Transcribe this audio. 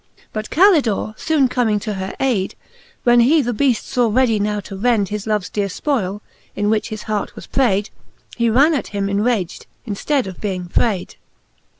But Calidore foone comming to her ayde, when he the beaft faw ready now to rend His loves dear fpoile, in which his heart was prayde, He ran at him enragd, in ftead of being frayde.